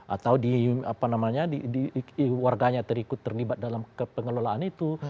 atau di warganya terikut terlibat dalam kepengelolaan itu